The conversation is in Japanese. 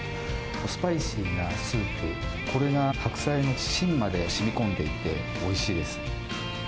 スパイシーなスープ、これが白菜の芯までしみこんでいて、おいしいです。